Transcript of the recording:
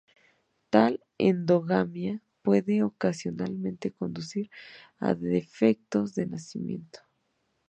Tal endogamia puede ocasionalmente conducir a defectos de nacimiento.